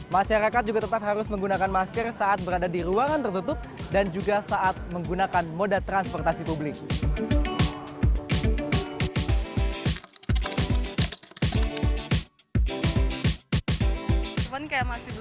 masyarakat juga tetap harus menggunakan masker saat berada di ruangan tertutup dan juga saat menggunakan moda transportasi publik